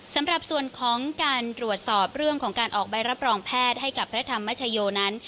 สำหรับส่วนของการตรวจสอบเรื่องของการออกใบรับรองแพทย์ให้กับพระธรรมชโยนั้น